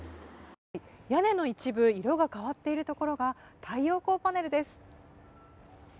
屋根の一部、色が変わっているところが太陽光パネルです。